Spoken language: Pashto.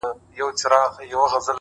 ستا پر ځنگانه اكثر؛